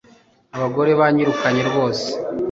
abagore banyirukanye rwose